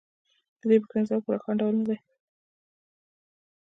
د دې پوښتنې ځواب په روښانه ډول نه دی